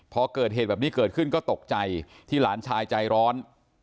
พอเกิดเหตุแบบนี้เกิดขึ้นก็ตกใจที่หลานชายใจร้อน